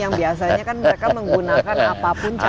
yang biasanya kan mereka menggunakan apapun caranya supaya menurut mereka